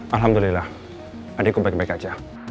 alhamdulillah adikku baik baik aja